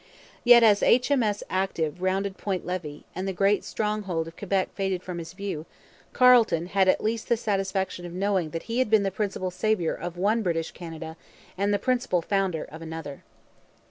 Yet as H.M.S. Active rounded Point Levy, and the great stronghold of Quebec faded from his view, Carleton had at least the satisfaction of knowing that he had been the principal saviour of one British Canada and the principal founder of another.